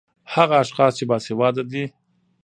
هغه اشحاص چې باسېواده دي